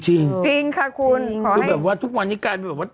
จริงจริงค่ะคุณคือแบบว่าทุกวันนี้กลายเป็นแบบว่า